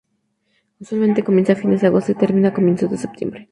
Usualmente comienza a fines de agosto y termina a comienzos de septiembre.